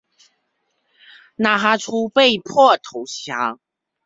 纳哈出被迫投降。